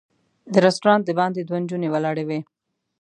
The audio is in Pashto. د رسټورانټ د باندې دوه نجونې ولاړې وې.